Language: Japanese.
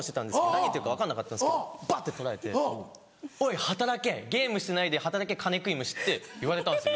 何言ってるか分かんなかったんですけどバッて取られて「おい働け！ゲームしてないで働け金食い虫」って言われたんですよ